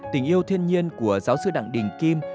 tình yêu thiên nhiên của giáo sư đặng đình kim